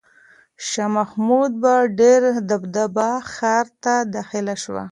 شاه محمود په ډېره دبدبه ښار ته داخل شو.